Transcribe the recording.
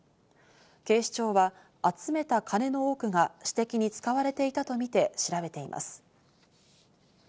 警視庁は集めた金の多くが私的に使われていたとみて調べています。